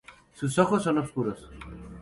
Sus ojos son oscuros.